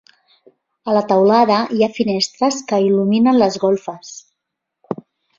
A la teulada hi ha finestres que il·luminen les golfes.